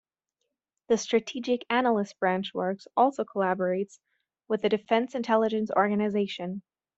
The Strategic Analysis Branch works also collaborates with the Defence Intelligence Organisation.